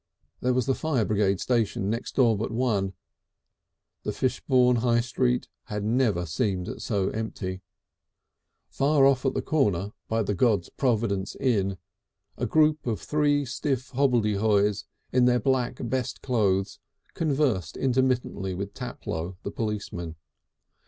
There was the fire brigade station next door but one. The Fishbourne High Street had never seemed so empty. Far off at the corner by the God's Providence Inn a group of three stiff hobbledehoys in their black, best clothes, conversed intermittently with Taplow, the policeman.